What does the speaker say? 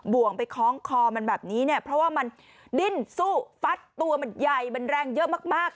่วงไปคล้องคอมันแบบนี้เนี่ยเพราะว่ามันดิ้นสู้ฟัดตัวมันใหญ่มันแรงเยอะมาก